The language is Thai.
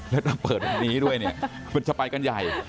แล้วถ้าเปิดทางนี้ด้วยเนี่ยมันจะไปกันใหญ่